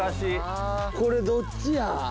これどっちや？